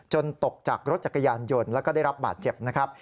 ตกจากรถจักรยานยนต์แล้วก็ได้รับบาดเจ็บนะครับ